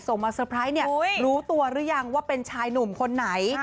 มาเตอร์ไพรส์เนี่ยรู้ตัวหรือยังว่าเป็นชายหนุ่มคนไหน